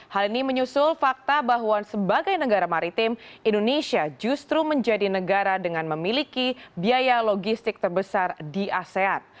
hal ini menyusul fakta bahwa sebagai negara maritim indonesia justru menjadi negara dengan memiliki biaya logistik terbesar di asean